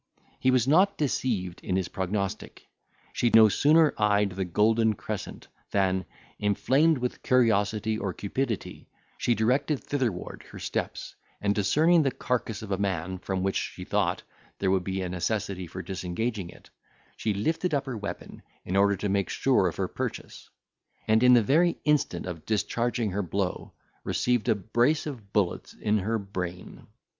He was not deceived in his prognostic; she no sooner eyed the golden crescent than, inflamed with curiosity or cupidity, she directed thitherward her steps, and discerning the carcase of a man, from which, she thought, there would be a necessity for disengaging it, she lifted up her weapon, in order to make sure of her purchase; and in the very instant of discharging her blow, received a brace of bullets in her brain.